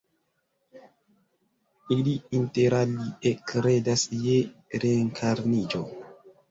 Ili interalie kredas je reenkarniĝo.